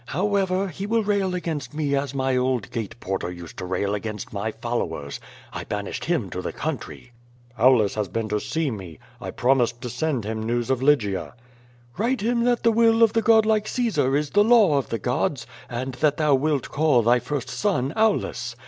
However, he will rail against me as my old gate porter used to rail against my followers — I banished him to the country." ^'Aulus has been to see me. I promised to send him news of Lygia/' 48 QVO VADIS. "Write him that the will of the god like Caesar is the law of the gods, and that thou wilt call thy first son Aulus.